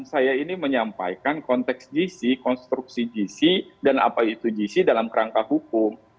saya ini menyampaikan konteks jc konstruksi jc dan apa itu jc dalam rangka hukum